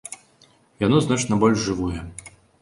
Яно значна больш жывое!